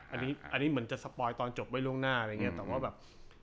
อันนี้อันนี้เหมือนจะสปอยตอนจบไว้ล่วงหน้าอะไรอย่างนี้แต่ว่าแบบ